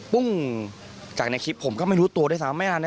ปุ้งจากในคลิปผมก็ไม่รู้ตัวด้วยซ้ำไม่นานนะ